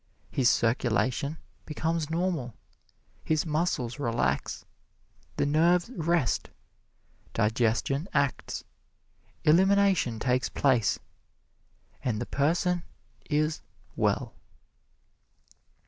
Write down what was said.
His circulation becomes normal, his muscles relax, the nerves rest, digestion acts, elimination takes place and the person is well.